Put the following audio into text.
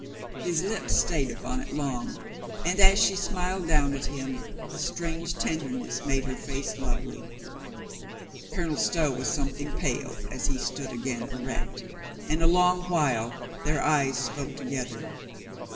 His lips stayed upon it long, and as she smiled down at him a strange tenderness made her face lovely. Colonel Stow was something pale as he stood again erect, and a long while their eyes spoke together.